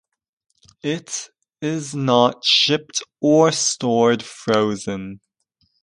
It is not shipped or stored frozen.